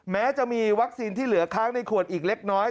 แม้จะมีวัคซีนที่เหลือค้างในขวดอีกเล็กน้อย